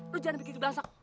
lo jangan bikin kebelasak